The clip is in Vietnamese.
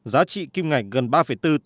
giá trị kim ngạch gần ba bốn tỷ đô